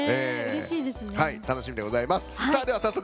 楽しみでございます。